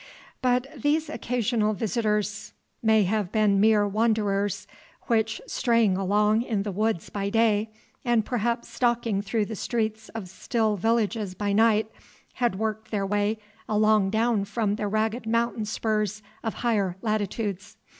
But these occasional visitors may have been mere wanderers, which, straying along in the woods by day, and perhaps stalking through the streets of still villages by night, had worked their way along down from the ragged mountain spurs of higher latitudes.